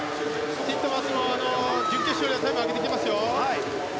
ティットマスも準決勝よりタイムを上げてます。